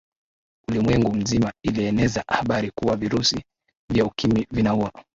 ulimwengu mzima ilieneza habari kuwa virusi vya ukimwi vinaua